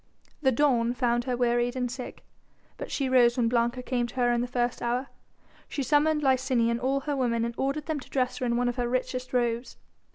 The dawn found her wearied and sick. But she rose when Blanca came to her in the first hour. She summoned Licinia and all her women and ordered them to dress her in one of her richest robes.